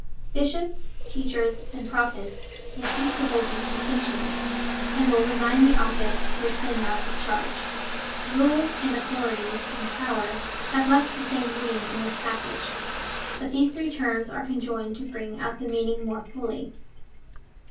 Bishops, teachers, and Prophets will cease to hold these distinctions, and will resign the office which they now discharge. Rule, and authority, and potuer have much the same meaning in this passage; but these three terms are conjoined to bring out the meaning more fully.